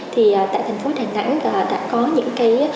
thì tại thành phố đà nẵng đã có những cái